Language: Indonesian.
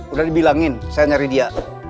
udah dibilangin saya nyari dia